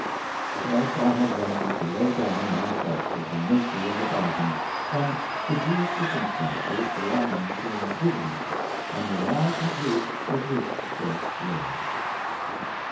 Thus I have ventur'd to lay down my thoughts of the Nature | of a Bargain, and the due Circumstances belonging to an Equi \ valent, and will now conclude with this short word.